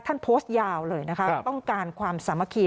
ท่านโพสต์ยาวเลยนะคะต้องการความสามัคคี